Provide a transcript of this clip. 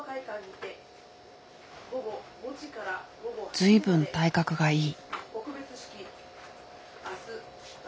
随分体格がいい。